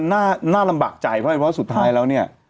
น่าลำบากใจเพราะว่าสุดท้ายแล้วเนี่ย